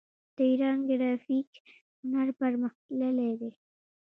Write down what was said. د ایران ګرافیک هنر پرمختللی دی.